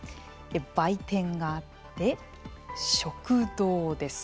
売店があって、食堂です。